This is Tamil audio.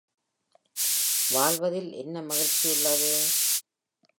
வாழ்வதில் என்ன மகிழ்ச்சி உள்ளது.